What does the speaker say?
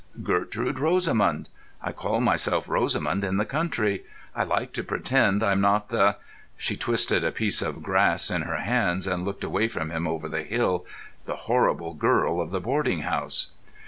Gertrude Rosamund. I call myself Rosamund in the country. I like to pretend I'm not the"—she twisted a piece of grass in her hands, and looked away from him over the hill—"the horrible girl of the boarding house."